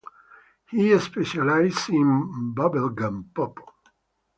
He specialized in bubblegum pop.